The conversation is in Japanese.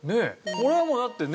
これはもうだってね。